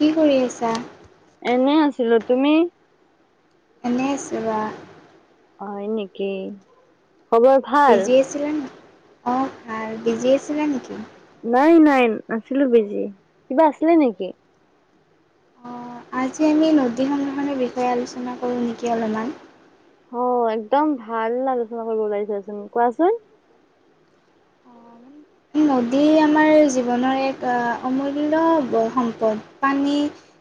কি কৰি আছা? এনেই আছিলোঁ। তুমি? এনে আছোঁ বা। হয় নেকি, খবৰ ভাল বিজি আছিলা নি, অ' ভাল। বিজি আছিলা নেকি? নাই নাই নাছিলোঁ বিজি। কিবা আছিলে নেকি? অঁ আজি আমি নদী সংগ্ৰহণৰ বিষয়ে আলোচনা কৰোঁ নেকি অলপমান। হ, একদম ভাল আলোচনা কৰিব ওলাইছাচোন, কোৱাচোন। নদী আমাৰ জীৱনৰ এক অমূল্যয় সম্পদ। পানী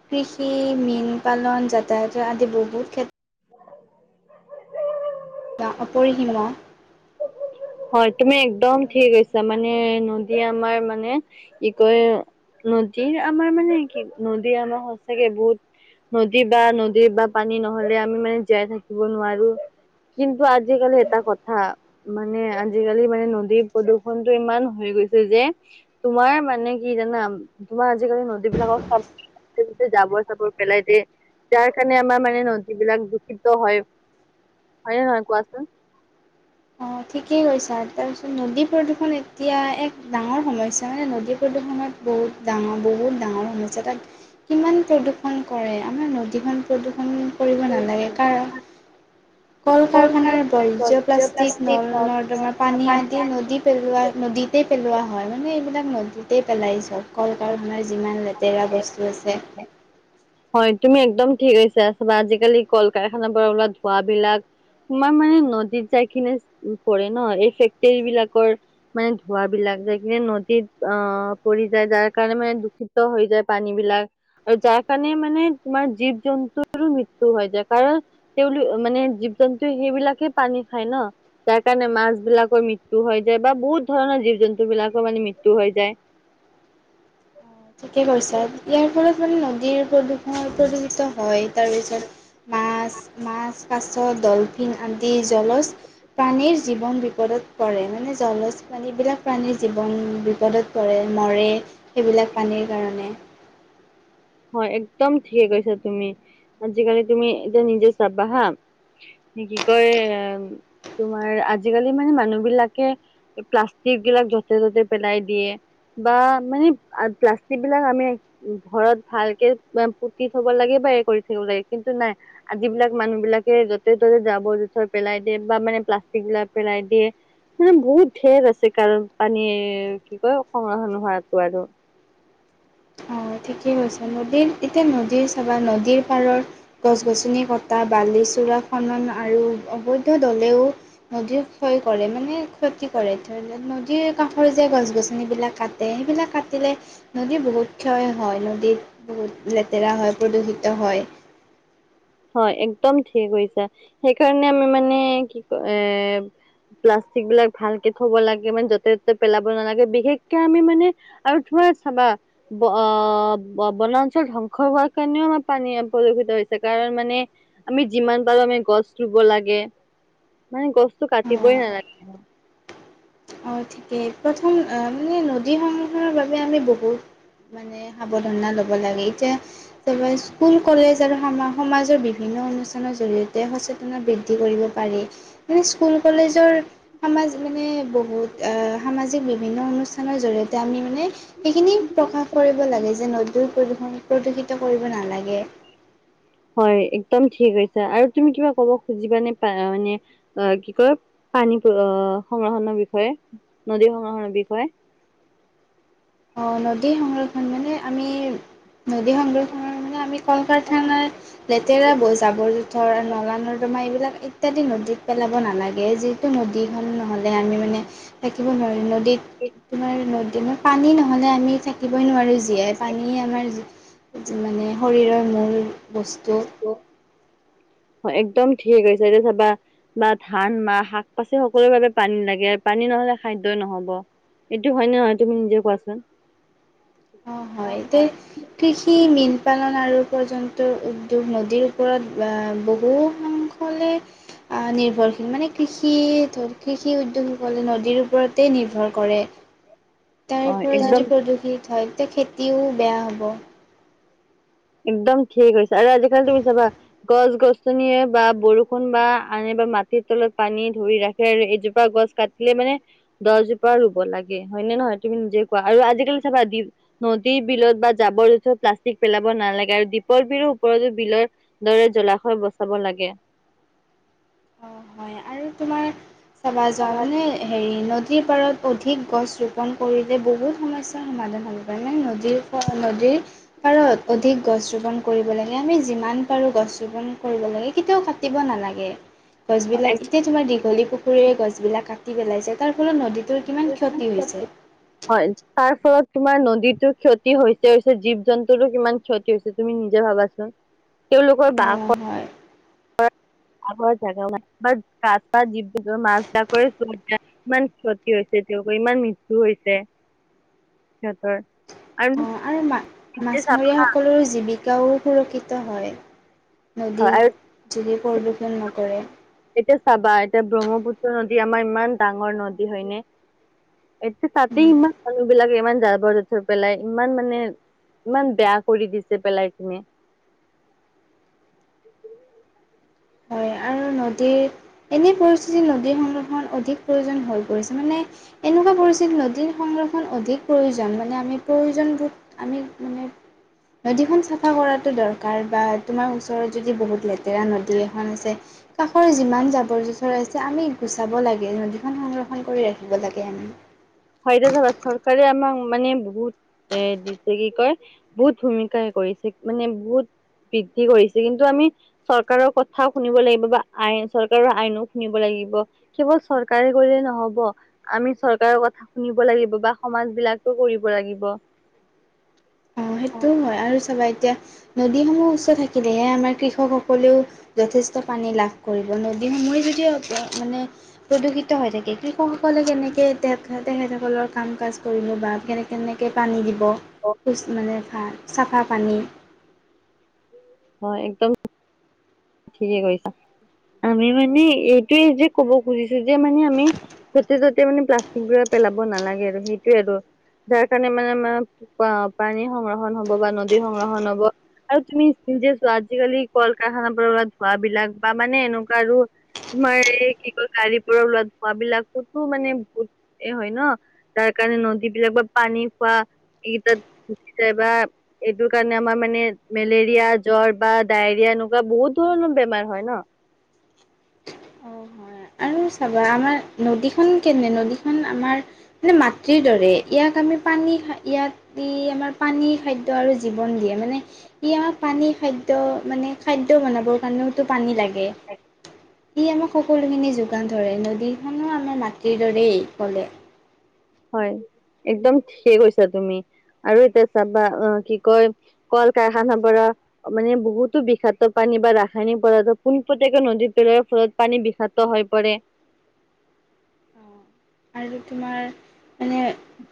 কৃষি, মীন পালন, যাতায়াত আদি বহুত ক্ষেত [inaudible] বা অপৰিসীম। হয়, তুমি একদম ঠিক কৈছা মানে নদীয়ে আমাৰ মানে কি কয় নদীৰ আমাৰ মানে কি, নদী আমাৰ সচাকে বহুত নদী বা নদীৰ বা পানী নহ'লে আমি মানে জীয়াই থাকিব নোৱাৰো কিন্তু আজিকালি এটা কথা মানে আজিকালি মানে নদীৰ প্ৰদূ্ষণটো ইমান হৈ গৈছে যে তোমাৰ মানে কি জানা, তোমাৰ আজিকালি নদীবিলাকক চ তে জাবৰ চাবৰ পেলাই দে যাৰ কাৰণে আমাৰ মানে নদীবিলাক দূষিত হয়। হয় নে নহয় কোৱাচোন? অ' ঠিকেই কৈছা আৰু তাৰপিছত নদী প্ৰদূষণ এতিয়া এক ডাঙৰ সমস্যা মানে নদী প্ৰদূষণত বহুত ডাঙৰ, বহুত ডাঙৰ সমস্যা তাত কিমান প্ৰদূৰষণ কৰে, আমাৰ নদীখন প্ৰদূষণ কৰিব নালাগে কাৰণ কল কাৰখাৰ বৰ্জ প্লাষ্টিক নল নৰ্দমাৰ পানী আদি ন নদী পেলোৱা নদীতে পেলোৱা হয়, মানে এইবিলাক নদীতে পেলাই চব। কল কাৰখাৰ যিমান লেতেৰা বস্তু আছে। হয়, তুমি একদম ঠিক কৈছা চাবা আজিকালি কাৰখানাৰ পৰা ওলোৱা ধোৱাবিলাক। তোমাৰ মানে নদীত যায় কিনে পৰে ন। এই ফেক্টৰীবিলাকৰ মানে ধোঁৱাবিলাক যায় কিনে নদীত অ' পৰি যায় যাৰ কাৰণে মানে দূষিত হৈ যায় পানীবিলাক। আৰু যাৰ কাৰণে মানে তোমাৰ জীৱ জন্তুৰো মৃত্যু হৈ যায়। কাৰণ তেওঁলোক মানে জীৱ জন্তু সেইবিলাকে পানী খাই ন। যাৰ কাৰণে মাছবিলাকৰ মৃত্যু হৈ যায় বা বহুত ধৰণৰ জীৱ জন্তুবিলাকৰ মানে মৃত্যু হৈ যায়। [inaudible] ঠিকে কৈছা, ইয়াৰ ফলত মানে নদীৰ প্ৰদূষণ প্ৰদূষিত হয় তাৰপিছত মাছ মাছ, কাছ, ডলফিন আদি জলজ প্ৰাণীৰ জীৱন বিপদত পৰে মানে জলজ প্ৰাণীবিলাক প্ৰাণীৰ জীৱন বিপদত কৰে মৰে সেইবিলাক পানীৰ কাৰণে। হয়, একদম ঠিকে কৈছা তুমি আজিকালি তুমি এতিয়া নিজে চাবা হা। কি কয় তোমাৰ আজিকালি মানে মানুহবিলাকে প্লাষ্টিক গিলাক য'তে ত'তে পেলাই দিয়ে। বা মানে প্লাষ্টিকবিলাক আমি ঘৰত ভালকে পুতি থব লাগে বা এ কৰি থাকিব লাগে কিন্তু নাই। যিবিলাক মানুহবিলাকে য'তে ত'তে জাবৰ জোথৰ পেলাই দিয়ে বা মানে প্লাষ্টিকবিলাক পেলাই দিয়ে। মানে বহুত ঢেৰ আছে কাৰণ পানী কি কয় সংৰক্ষণ হোৱাটো আৰু। অ', ঠিকেই কৈছা, নদীৰ এতিয়া নদীৰ চাবা নদীৰ পাৰৰ গছ গছনি কটা বালি চোৰা খনন আৰু অবৈধ দলেও নদীৰ ক্ষয় কৰে মানে ক্ষতি কৰে। ধৰি লওঁক নদীৰ কাষৰ যে গছ গছনিবিলাক কাট টে সেইবিলাক কাটিলে নদী বহুত ক্ষয় হয় নদীত বহুত লেতেৰা হয় প্ৰদূষিত হয়। হয়, একদম ঠিকে কৈছা, সেইকাৰণে আমি মানে কি কয় এ প্লাষ্টিকবিলাক ভালকে থব লাগে মানে য'তে ত'তে পেলাব নালাগে। বিশেষকে আমি মানে আৰু ধোৱা চাবা ব-ব-বনাঞ্চল ধ্বংস হোৱাৰ কাৰণেও আমাৰ পানী প্ৰদূষিত হৈছে৷ কাৰণ মানে আমি যিমান পাৰো আমি গছ ৰুব লাগে। মানে গছটো অ', কাটিবই নালাগে। অ', ঠিকে প্ৰথম মানে নদী সংৰক্ষণ বাবে আমি বহুত মানে সাৱধানতা ল'ব লাগে এতিয়া স্কুল কলেজ আৰু সমাজৰ বিভিন্ন অনুষ্ঠানৰ জৰিয়তে সচেতন বৃদ্ধি কৰিব পাৰি। মানে স্কুল কলেজৰ সমাজ মানে বহুত এ সামাজিক বিভিন্ন অনুষ্ঠানৰ জৰিয়তে আমি মানে সেইখিনি প্ৰকাশ কৰিব লাগে যে নদীৰ প্ৰদূষণ প্ৰদূষিত কৰিব নালাগে। হয়, একদম ঠিক কৈছা আৰু তুমি কিবা ক'ব খুজিবা নে পা মানে অ', কি কয় পানী সংৰক্ষণৰ বিষয়ে নদী সংৰক্ষণৰ বিষয়ে? অ', নদী সংৰক্ষণ মানে আমি নদী সংৰক্ষণৰ মানে আমি কল কাৰখানাৰ লেতেৰা বৈ জাবৰ জোথৰ নলা নৰ্দমা এইবিলাক ইত্যাদি নদীত পেলাব নালাগে। যি নদীখন নহ'লে আমি মানে থাকিব নোৱাৰি ন। তোমাৰ নদী মানে পানী নহ'লে আমি থাক থাকিবই নোৱাৰোঁ জীয়াই পানী আমাৰ মানে শৰীৰৰ মূল বস্তু [inaudible] [inaudible] অ একদম ঠিকে হৈছে, এতিয়া চাবা বা ধান, মাহ বা শাক পাচি সকলো বাবে পানী লাগে আৰু পানী নহ'লে খাদ্যয়ই নহ'ব। এইটো হয় নে নহয় তুমি নিজে কোৱাচোন? অ' হয় এতিয়া কৃষি, মীন পালন আৰু পৰ্যন্ত উদ্যোগ নদীৰ ওপৰত বহু সংখ্যক [inaudible] আহ নিৰ্ভৰশীল মানে কৃষি ধৰ কৃষি উদ্যোগসকলে নদীৰ ওপৰতে নিৰ্ভৰ কৰে। অ তাৰ পৰা একদম যদি প্ৰদূষিত হয় তেতিয়া খেতিও বেয়া হ'ব। একদম ঠিক কৈছে আৰু আজিকালি তুমি চাবা গছ-গছনিয়ে বা বৰষুণ বা আনে বা মাটিৰ তলত পানী ধৰি ৰাখে আৰু এজোপা গছ কাটি দিলে মানে দহজোপা ৰুব লাগে হয়নে নহয় তুমি নিজে কোৱা? আৰু আজিকালি চাবা দি নদী, বিলত বা জাবৰ- জথোৰ প্লাষ্টিক পেলাব নালাগে আৰু দ্বীপৰ বিলৰ ওপৰতো বিলৰ দৰে জলাশয় বচাব লাগে অঁ হয় আৰু তোমাৰ চাবা যোৱা মানে হেৰি ন নদীৰ পাৰত অধিক গছ ৰোপণ কৰিলে বহুত সমস্যাৰ সমাধান হ'ব পাৰে মানে নদীৰ ফ নদীৰ পাৰত অধিক গছ ৰুপন কৰিব লাগে আমি যিমান পাৰো গছ ৰুপন কৰিব লাগে, কেতিয়াও কা কাটিব নালাগে। গছবিলাক এতিয়া তোমাৰ দীঘলী পুখুৰীৰে গছবিলাক কাটি পেলাইছে তাৰ ফলত নদী তোৰ কিমান ক্ষতি হৈছে। হয় তাৰ ফলত তোমাৰ নদীতো ক্ষতি হৈছে হৈছে জীৱ জন্তুৰো কিমান ক্ষতি হৈছে তুমি নিজে ভাবাচোন। তেওঁলোকৰ বা অঁ হয় [unintelligible] ইমান ক্ষতি হৈছে তেওঁলোকৰ, ইমান মিৃত্যু হৈছে। সিহঁতৰ আৰু এতিয়া চাবা মাছমৰীয়া হা, সকলৰ জীৱিকাও সুৰক্ষিত হয় নদীৰ হয় আৰু যদি প্ৰদূষণ নকৰে। এতিয়া চাবা এতিয়া ব্ৰহ্মপুত্ৰ নদী আমাৰ ইমান ডাঙৰ নদী হয়নে, এতিয়া তাতেই উম। ইমান মানুহ বিলাকে ইমান জাবৰ-জোথৰ পেলাই ইমান মানে ইমান বেয়া কৰি দিছে পেলাই পিনে। হয় আৰু নদীৰ এনেই পৰিস্থিতিত নদীৰ সংৰক্ষণ অধিক প্ৰয়োজন হৈ পৰিছে মানে এনেকুৱা পৰিছিল নদীৰ সংৰক্ষণ অধিক প্ৰয়োজন মানে আমি প্ৰয়োজন আমি মানে নদীখন চাফা কৰাটো দৰকাৰ বা তোমাৰ ওচৰত যদি বহুত লেতে লেতেৰা নদী এখন আছে, কাষৰ যিমান জাবৰ জোথ থৰ আছে আমি গুচাব লাগে নদীখন সংৰক্ষণ কৰি ৰাখিব লাগে আমি। ফাইদা চাবা চৰকাৰে আমাক মানে বহুত এ কি কয় বহুত ভূমিকাই কৰিছে মানে বহুত বৃদ্ধি কৰিছে কিন্তু আমি চৰকাৰৰ কথাও শুনিব লাগিব বা আইন চৰকাৰৰ আইনো শুনিব লাগিব। কেৱল চৰকাৰে কৰিলে নহ'ব আমি চৰকাৰৰ কথা শুনিব লাগিব বা সমাজ বিলাকো কৰিব লাগিব। অ' সেইটোও হয় আৰু চাবা এতিয়া নদীসমূহ উচ্চ থাকিলেহে আমাৰ কৃষকসকলেও যথেষ্ট পানী লাভ কৰিব নদী সমৰি যদি মানে প্ৰদূষিত হৈ থাকে কৃষকসকলে কেনেকৈ তেখেতসকলৰ কাম-কাজ কৰিলোঁ বা কেনে কেনেকৈ পানী দিব সু মানে ভ চাফা পানী হয় একদম ঠিকে কৈছা, আমি মানে এইটোয়ে যে কব খুজিছো যে মানে আমি য'তে ত'তে মানে প্লাষ্টিকবোৰ পেলাব নালাগে আৰু, সেইটোৱে আৰু। যাৰ কাৰণে মানে আমাৰ পানী সংৰক্ষণ হব বা নদীৰ সংৰক্ষণ হব। আৰু তুমি নিজে চোৱা আজিকালি কল-কাৰখানাৰ পৰা ওলোৱা ধোঁৱাবিলাক বা মানে এনেকুৱা আৰু তোমাৰ এই কি কয় গাড়ীৰ পৰা ওলোৱা ধুৱা বিলাক কতো মানে [unintelligible] এই হয় ন, তাৰ কাৰণে নদী বিলাক বা পানী খোৱা এই তাত উঠি যায় বা এইটোৰ কাৰণে আমাৰ মানে মেলেৰিয়া, জ্বৰ বা ডায়েৰিয়া এনেকুৱা বহুত তোৰ ইমান বেমাৰ হয় ন। অ হয় আৰু চাবা আমাৰ নদীখন কেনে নদীখন আমাৰ মানে মাতৃৰ দৰে ইয়াক আমি পানী [unintelligible] ইয়াত ই আমাৰ পানী খাদ্য আৰু জীৱন দিয়ে। মানে, ই আমাক পানী খাদ্য খাদ্য বনাবৰ কাৰণেওতটো পানী লাগে। ই আমাৰ সকলোখিনি যো যোগান ধৰে, নদীখনো আমাৰ মাটিৰ দৰেই ক'লে। হয়, একদম ঠিকেই কৈছা তুমি আৰু এতিয়া চাবা। অ' কি কয় ক'ল-কাৰখানা পৰা মানে বহুতো বিষাক্ত পানী বা ৰাসায়নিক পদাৰ্থ পোনপতিয়াকে নদী পেলোৱা ফলত পানী বিষাত ক্ত হৈ পৰে। আৰু তোমাৰ মানে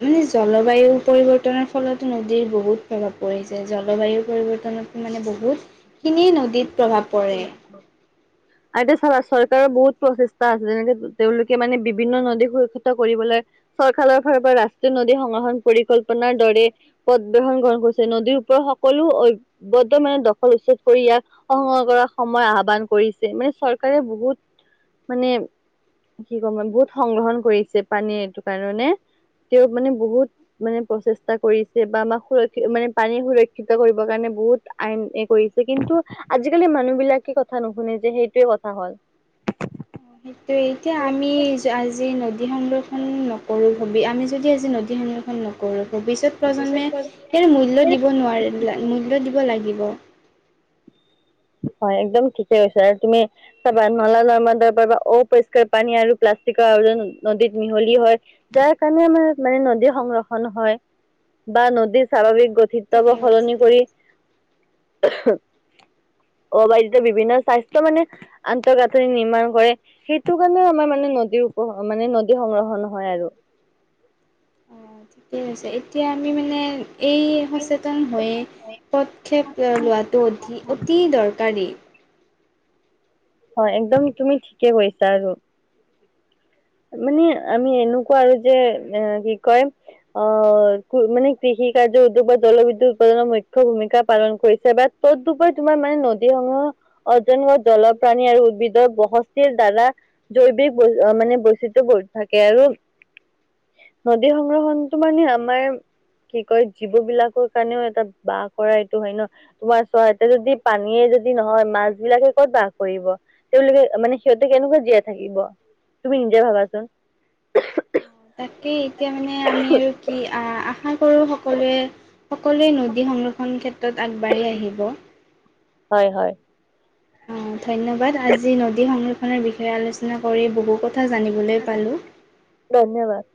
বুজিছ, জলবায়ু পৰিৱৰ্তনৰ ফলত নদীৰ বহুত প্ৰভাৱ পৰিছে জলবায়ু পৰিৱৰ্তনত। মানে, বহুত খিনি নদ [unintelligible] [inaudible] আদি চৰ-চৰকাৰৰ বহুত প্ৰচেষ্টা আছে, যেনেকে তেওঁলোকে মানে বিভিন্ন নদী সুৰক্ষিত কৰিবলে। চৰকাৰৰ ফাল পৰা ৰাষ্ট্ৰী নদী সংৰক্ষণ পৰিকল্পনাৰ দৰে। পথ বহন গ্ৰহণ কৰিছে, নদীৰ ওপৰত সকলো [unintelligible] মানে দখল উচ্ছেদ কৰি ইয়াক সংগ্ৰহ কৰ সময় আহ্বান কৰিছিলো, চৰকাৰে বহুত মানে কি কম মানে, বহুত সংৰক্ষণ কৰিছে পানীয়ে এইটো কাৰণে। তেওঁক মানে বহুত মানে প্ৰচেষ্টা কৰিছে বা আমাক সুৰক্ষিত মানে পানী সুৰক্ষিত কৰিবৰ কাৰণে বহুত আইনে কৰিছে কিন্তু আজিকালি মানুহ বিলাকে কথা নুশুনে যে সেইটোয়ে কথা হ'ল। সেইটোৱে এতিয়া‌ আমি আজি নদী সংৰক্ষণ নকৰো ভাবি, আমি যদি আজি নদী সংৰক্ষণ নক ভৱিষ্যত প্ৰজন্মে এই মূল্য দিব নোৱাৰে, মূল্য দিব লাগিব। হয়, একদম ঠিকে কৈছা। তুমি কি‌ কবা, নলা-নৰ্মদাৰ পা অপৰিষ্কাৰ পানী আৰু প্লাষ্টিকৰ আৱৰ্জন নদীত মিহলি হয়। যাৰ কাৰণে আমাৰ মানে নদী সংৰক্ষন হয় বা নদীৰ স্বাভাৱিক গত ঠিকে [unintelligible] কৈছে সলনি কৰি। [unintelligible] বিভিন্ন স্বাস্থ্য মানে আন্তঃগাথনি নিৰ্মাণ কৰে। সেইটো কাৰণে আমাৰ মানে নদী ওপৰ নদী সংৰক্ষণৰ হয় আৰু। ঠিকেই হৈছে, এতিয়া আমি মানে এই সচে একদম‌ হয়ে, পদক্ষেপ লোৱাটো অধি অতি দৰকাৰী। হয়, একদম তুমি ঠিকে কৰিছা আৰু। আপুনি আমি এনেকুৱা যে, এহ কি কয় অ' মানে কৃষি কাৰ্য উদ্যোগ বা জলবিদ্যুৎ উৎপাদনৰ মুখ্য ভূমিকা পালন কৰিছে বাট ক'ত দুপা তোমাৰ মায়ে নদী সমুহ অজম্ন জলপ্ৰাণী আৰু উদ্ভিদ বসস্তিৰ দ্বাৰা জৈৱিক মানে ব সেইতু বত থাকে আৰু নদী সংৰক্ষণটো মানে আমাৰ কি কয়, জীৱ বিলাকৰ কাৰণেও এটা বাহ কৰা এইটো হয় ন'। উৱা চোৱা ইটা যদি পানীয়ে যদি নহয়, মাছ বিলাকে ক'ত বাস কৰিব? তেওঁলোকে মানে সিহঁতে কেনেকুৱা জীয়াই থাকিব। তুমি নিজে ভাবাচোন? তাকেই, এতিয়া মানে আমি আৰু কি আ-আশা কৰোঁ সকলোৱে সকলোৱে নদী সংৰক্ষণৰ ক্ষেত্ৰত আগবাঢ়ি আহিব। হয়, হয়। অ' ধন্যবাদ, আজি নদী সংৰক্ষণৰ বিষয়ে আলোচনা কৰি বহু কথা জানিবলৈ পালোঁ। ধন্যবাদ।